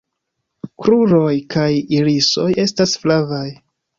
Kruroj kaj irisoj estas flavaj.